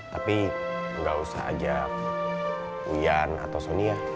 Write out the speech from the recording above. tapi tidak usah ajak wian atau sonia